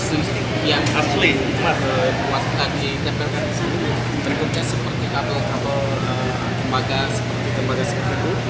ini adalah emas asli yang dibuat dari kebel kebel terbuka seperti kabel kabel kembaga seperti kembaga sekitar itu